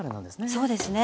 そうですね